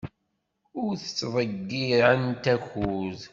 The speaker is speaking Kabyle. Ur ttḍeyyiɛent akud.